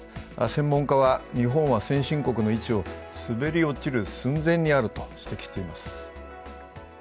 専門家は、日本は先進国の位置を滑り落ちる寸前にあると指摘しています。